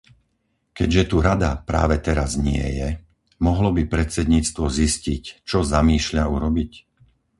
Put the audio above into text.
Keďže tu Rada práve teraz nie je, mohlo by predsedníctvo zistiť, čo zamýšľa urobiť?